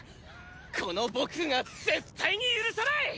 この僕が絶対に許さない！